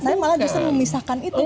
saya malah justru memisahkan itu